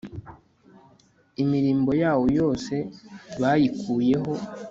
imirimbo yawo yose bayikuyeho